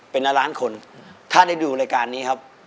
เป็นละล้านคนถ้าได้ดูรายการนี้ครับ